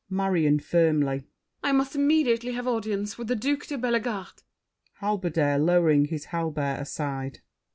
MARION (firmly). I must immediately have audience With the Duke de Bellegarde. HALBERDIER (lowering his halberd, aside).